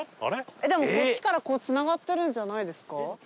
でもこっちからこうつながってるんじゃないですか？